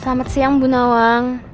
selamat siang bu nawang